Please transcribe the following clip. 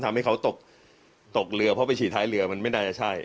ทำให้เขาตกตกเรือเพราะไปฉีดท้ายเรือมันไม่น่าจะใช่